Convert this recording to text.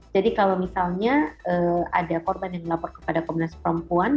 jadi kalau misalnya ada korban yang melapor kepada kementerian komitmen rbr